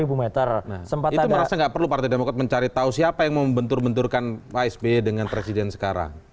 itu merasa nggak perlu partai demokrat mencari tahu siapa yang membentur benturkan pak sby dengan presiden sekarang